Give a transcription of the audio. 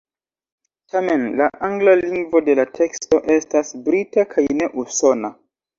Tamen la angla lingvo de la teksto estas brita kaj ne usona.